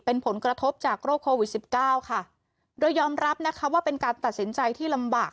เป็นผลกระทบจากโรคโควิดสิบเก้าค่ะโดยยอมรับนะคะว่าเป็นการตัดสินใจที่ลำบาก